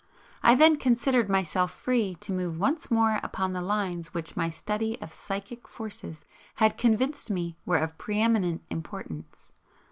I then considered myself free to move once more upon the lines which my study of psychic forces had convinced me were of pre eminent importance.